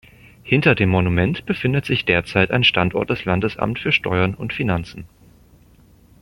Hinter dem Monument befindet sich derzeit ein Standort des Landesamt für Steuern und Finanzen.